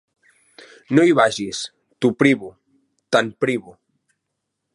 No hi vagis: t'ho privo, te'n privo.